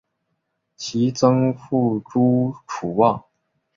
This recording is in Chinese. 曾祖父朱楚望。